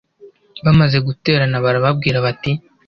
bamaze guterana barababwira bati